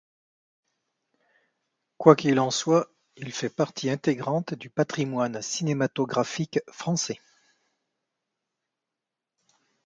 Quoi qu'il en soit, il fait partie intégrante du patrimoine cinématographique français.